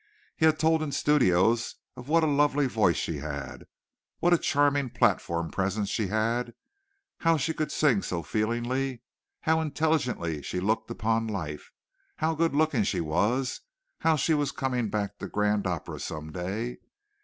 He had told in studios of what a lovely voice she had, what a charming platform presence she had, how she could sing so feelingly, how intelligently she looked upon life, how good looking she was, how she was coming back to grand opera some day.